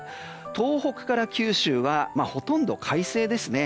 東北から九州はほとんど快晴ですね。